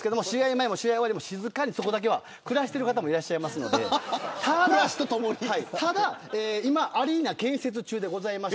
前も試合終わりも静かにそこだけは暮らしてる方もいらっしゃいますのでただ、今アリーナ建設中です。